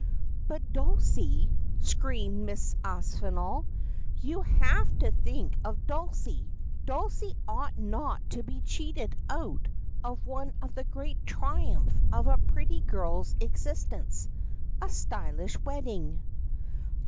'But Dulcie,' screamed Mrs. Aspinall, 'you have to think of Dulcie. Dulcie ought not to be cheated out of the one great triumph of a pretty girl's existence — a stylish wedding.'